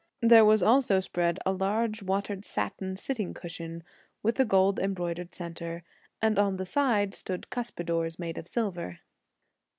There was also spread a large watered satin sitting cushion with a gold embroidered centre, and on the side stood cuspidores made of silver.